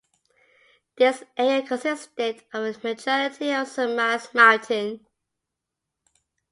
This area consisted of the majority of Sumas Mountain.